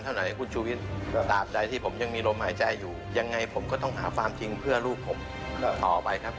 ไม่หวนอื่นกับทางงานเดียว